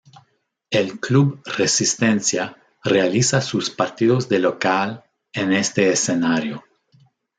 El club Resistencia realiza sus partidos de local en este escenario.